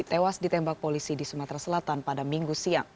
tewas ditembak polisi di sumatera selatan pada minggu siang